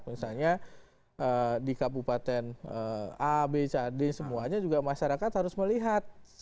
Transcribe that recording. misalnya di kabupaten a b c d semuanya juga masyarakat harus melihat